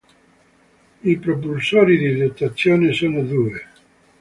I propulsori in dotazione sono due.